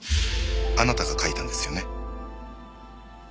あなたが書いたんですよね？